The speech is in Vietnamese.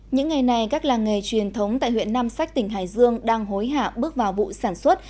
những ngày này các làng nghề truyền thống tại huyện nam sách tỉnh hải dương đang hối hạ bước vào vụ sản xuất